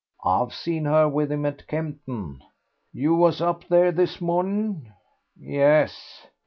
I've seen her with him at Kempton." "You was up there this morning?" "Yes."